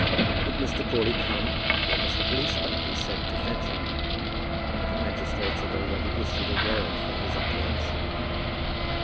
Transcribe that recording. Would Mr. Crawley come, or must a policeman be sent to fetch him? The magistrates had already issued a warrant for his apprehension.